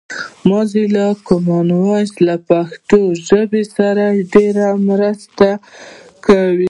موزیلا کامن وایس له پښتو ژبې سره ډېره مرسته کوي